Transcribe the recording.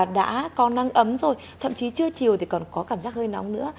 đã có nắng ấm rồi thậm chí trưa chiều thì còn có cảm giác hơi nóng nữa